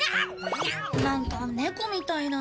何か猫みたいな。